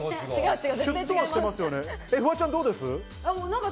フワちゃん、どうです？